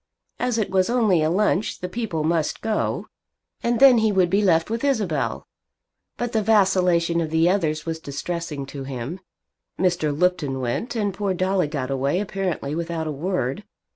As it was only a lunch the people must go, and then he would be left with Isabel. But the vacillation of the others was distressing to him. Mr. Lupton went, and poor Dolly got away apparently without a word.